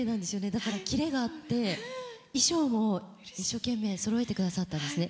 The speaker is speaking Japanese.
だからキレがあって衣装も一生懸命そろえてくださったんですね